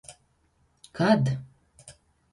Kad